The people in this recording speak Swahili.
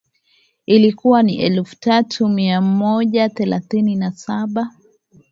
ilikuwa ni elfu tatu mia moja thelathini na saba